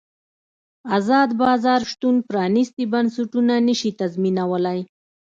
ازاد بازار شتون پرانیستي بنسټونه نه شي تضمینولی.